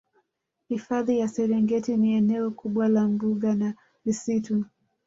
Hifadhi ya Serengeti ni eneo kubwa la mbuga na misitu